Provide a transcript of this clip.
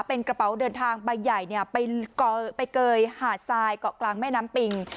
เป็นกระเป๋าเดินทางใบใหญ่ไปเกยหาดทรายเกาะกลางแม่น้ำปิง